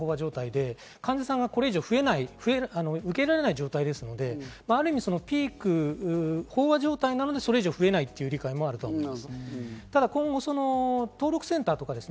で、患者さんはこれ以上増えない、受け入れられない状態ですので、ある意味ピーク、飽和状態なのに、それ以上増えないという理解もあると思います。